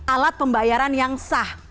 alat pembayaran yang sah